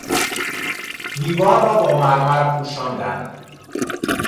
دیوار را با مرمر پوشاندن